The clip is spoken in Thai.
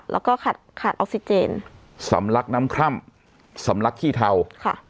แล้วก็ขาดขาดออกซิเจนสำลักน้ำคร่ำสำลักขี้เทาค่ะ